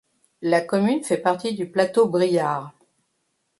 La commune fait partie du Plateau briard.